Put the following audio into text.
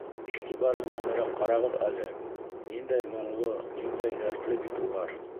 Иғтибар менәнерәк ҡарағыҙ әле, ниндәй моңло, ниндәй дәртле бит улар!